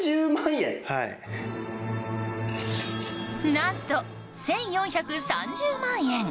何と１４３０万円！